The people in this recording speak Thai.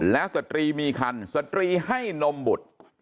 แล้วสตรีมีคันสตรีให้นมบุตร